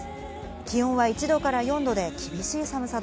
気温は１度から４度で、厳しい寒さと